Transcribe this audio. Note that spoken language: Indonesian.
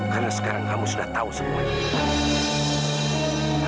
karena sekarang kamu sudah tahu semuanya